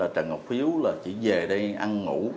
trần ngọc hiếu là chỉ về đây ăn ngủ